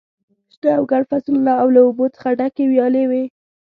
شنه او ګڼ فصلونه او له اوبو څخه ډکې ویالې وې.